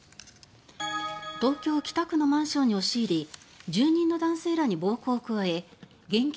東京・北区のマンションに押し入り住人の男性らに暴行を加え現金